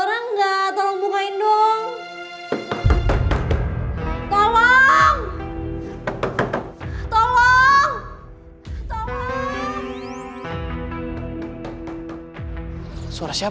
bisa tolong dorongin dari luar gak